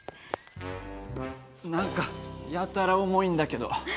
何かやたら重いんだけど。